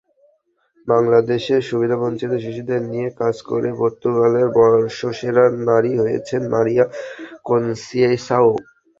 বাংলাদেশের সুবিধাবঞ্চিত শিশুদের নিয়ে কাজ করে পর্তুগালের বর্ষসেরা নারী হয়েছেন মারিয়া কন্সিসাও।